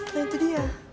ya itu dia